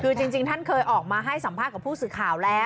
คือจริงท่านเคยออกมาให้สัมภาษณ์กับผู้สื่อข่าวแล้ว